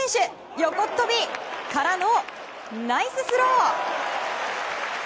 横っ飛びからのナイススロー！